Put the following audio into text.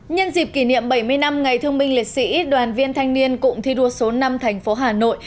nhân dịp kỷ niệm bảy mươi năm ngày thương binh liệt sĩ đoàn viên thanh niên cụng thi đua số năm thành phố hà nội